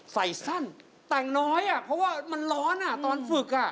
ใส่สั้นแต่งน้อยอ่ะเพราะว่ามันร้อนตอนฝึก